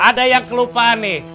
ada yang kelupaan nih